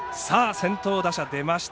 先頭打者、出ました。